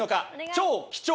超貴重！